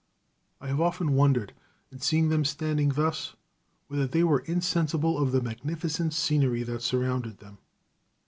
I have often wondered, in seeing them standing thus, whether they were insensible of the magnificent scenery that surrounded them.